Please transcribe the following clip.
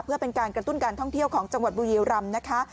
เพื่อเป็นการกระตุ้นการท่องเที่ยวของจังหวัดบุรีรำนะคะ